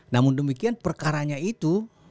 namun demikian perkaranya itu